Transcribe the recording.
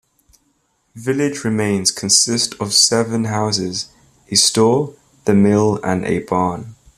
Village remains consist of seven houses, a store, the mill and a barn.